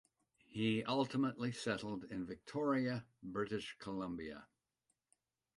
He ultimately settled in Victoria, British Columbia.